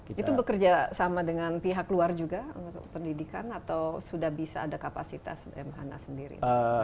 itu bekerja sama dengan pihak luar juga untuk pendidikan atau sudah bisa ada kapasitas m hana sendiri